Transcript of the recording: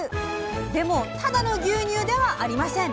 でもただの牛乳ではありません！